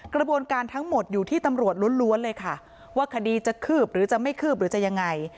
กระบวนการทั้งหมดอยู่ที่ตำรวจล้วนเลยค่ะว่าคดีจะคืบหรือจะไม่คืบหรือจะยังไง